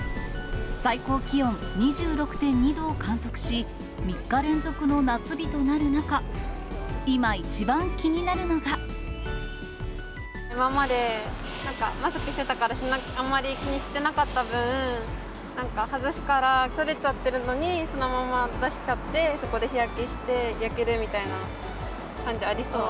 最高気温２６．２度を観測し、３日連続の夏日となる中、今一番今までマスクしてたから、あんまり気にしてなかった分、なんか外すから取れちゃってるのに、そのまま出しちゃって、そこで日焼けして焼けるみたいな感じありそう。